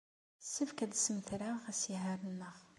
Yessefk ad semmtreɣ asihaṛ-nneɣ.